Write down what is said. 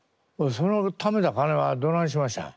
そのためた金はどないしましたん？